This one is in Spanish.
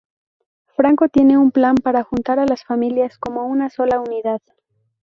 Franco tiene un plan para juntar a las familias como una sola unidad.